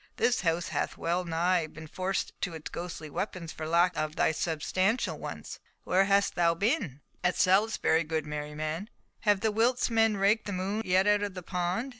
This house hath well nigh been forced to its ghostly weapons for lack of thy substantial ones. Where hast thou been?" "At Salisbury, good Merryman." "Have the Wilts men raked the moon yet out of the pond?